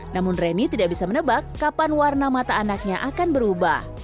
namun reni tidak bisa menebak kapan warna mata anaknya akan berubah